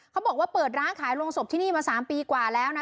เขาบอกว่าเปิดร้านขายโรงศพที่นี่มา๓ปีกว่าแล้วนะ